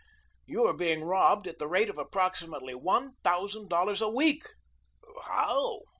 You are being robbed at the rate of approximately one thousand dollars a week." "How?"